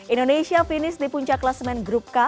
indonesia finish di puncak kelas main grup k